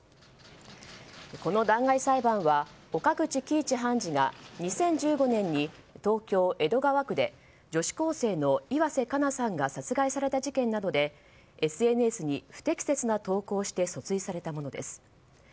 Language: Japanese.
この弾劾裁判は岡口基一判事が２０１５年に東京・江戸川区で女子高生の岩瀬加奈さんが殺害された事件などでＳＮＳに不適切な投稿をして訴追されたものです。